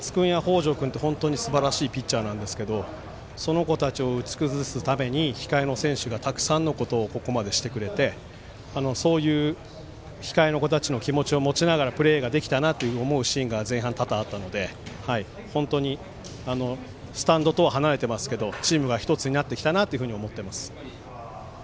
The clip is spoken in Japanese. チームの一体感というか小松君や北條君って本当にすばらしいピッチャーなんですがその子たちを打ち崩すために控えの選手がたくさんのことをここまでしてくれてそういう控えの子たちの気持ちを持ちながらプレーをできたなと思うシーンが前半、多々あったので本当にスタンドとは離れてますがチームが１つになってきたなと思っています。